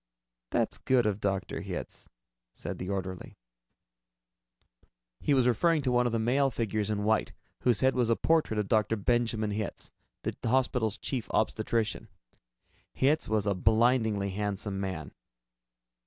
"That's good of Dr. Hitz," said the orderly. He was referring to one of the male figures in white, whose head was a portrait of Dr. Benjamin Hitz, the hospital's Chief Obstetrician. Hitz was a blindingly handsome man.